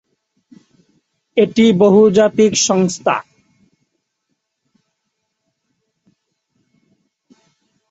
এটি বহুজাতিক সংস্থা।